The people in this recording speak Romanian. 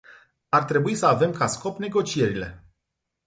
Ar trebui să avem ca scop negocierile.